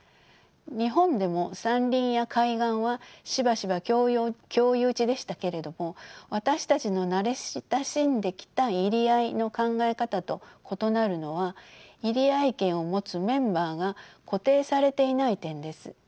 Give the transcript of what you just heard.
日本でも山林や海岸はしばしば共有地でしたけれども私たちの慣れ親しんできた入り会いの考え方と異なるのは入会権を持つメンバーが固定されていない点です。